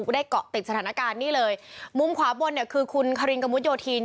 ได้เกาะติดสถานการณ์นี่เลยมุมขวาบนเนี่ยคือคุณคารินกระมุดโยธิน